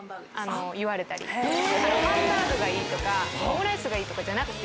ハンバーグがいいとかオムライスがいいとかじゃなくて。